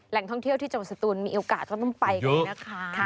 ท่องเที่ยวที่จังหวัดสตูนมีโอกาสก็ต้องไปกันนะคะ